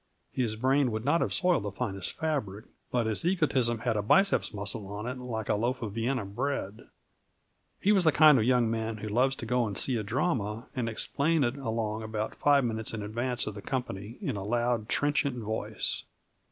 His brain would not have soiled the finest fabric, but his egotism had a biceps muscle on it like a loaf of Vienna bread. He was the kind of young man who loves to go and see the drama and explain it along about five minutes in advance of the company in a loud, trenchant voice.